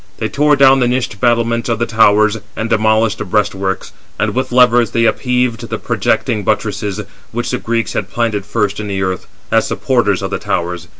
They tore down the niched battlements of the towers, and demolished the breast works, 402 and with levers they upheaved the projecting buttresses, which the Greeks had planted first in the earth, as supporters of the towers.